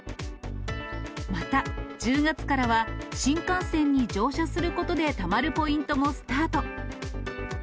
また、１０月からは、新幹線に乗車することでたまるポイントもスタート。